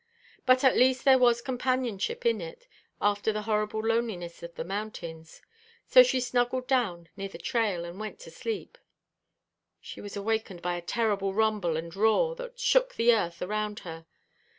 But at least there was companionship in it, after the horrible loneliness of the mountains. So she snuggled down near the trail, and went to sleep. She was awakened by a terrible rumble and roar that shook the earth around her.